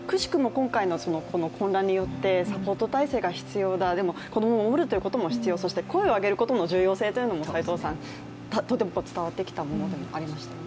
今回の混乱によってサポート体制が必要だ、でも子供を守るということも必要、声をあげることの重要性というのもとても伝わってきたものでもありましたね。